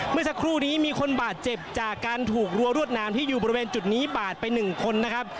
เมื่อสักครู่นี้มีคนบาดเจ็บจากการถูกรัวรวดน้ำที่อยู่บริเวณจุดนี้บาดไป๑คนนะครับ